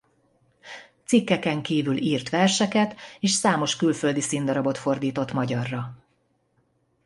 Cikkeken kívül írt verseket és számos külföldi színdarabot fordított magyarra.